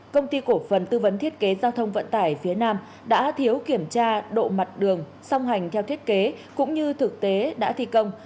công ty cổ phần tư vấn thiết kế giao thông vận tải phía nam đã thiếu kiểm tra độ mặt đường song hành theo thiết kế cũng như thực tế đã thi công